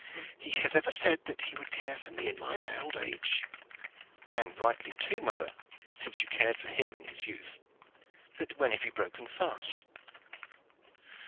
He has ever said that he would care for me in mine old age." "And rightly too, mother, since you cared for him in his youth. But when have you broken fast?"